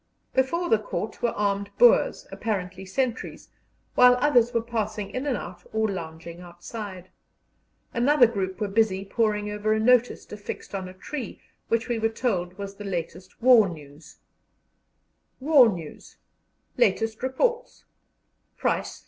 Before the court were armed Boers, apparently sentries, whilst others were passing in and out or lounging outside. Another group were busy poring over a notice affixed on a tree, which we were told was the latest war news: WAR NEWS LATEST REPORTS _Price 3d.